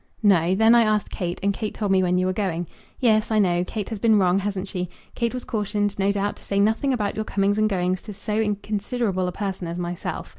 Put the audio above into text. "No; then I asked Kate, and Kate told me when you were going. Yes; I know. Kate has been wrong, hasn't she? Kate was cautioned, no doubt, to say nothing about your comings and goings to so inconsiderable a person as myself.